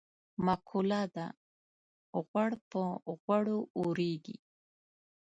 مقوله ده: غوړ په غوړو اورېږي.